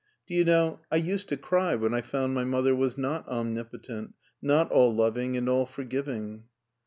Do you know, I used to cry when I found my mother was not omnipotent, not all loving and all forgiving."